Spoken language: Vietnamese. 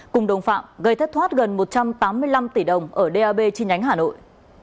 cùng đồng phạm gây thất thoát gần một trăm tám mươi năm tỷ đồng ở dab chi nhánh hà nội